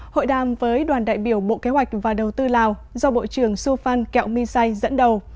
hội đàm với đoàn đại biểu bộ kế hoạch và đầu tư lào do bộ trưởng su phan kẹo my sai dẫn đầu